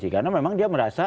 karena memang dia merasa